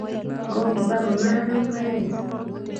Kokopa komarar mbaret